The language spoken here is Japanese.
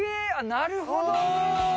なるほど。